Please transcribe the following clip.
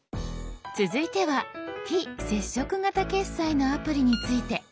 続いては非接触型決済のアプリについて。